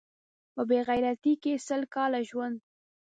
په بې غیرتۍ کې سل کاله ژوند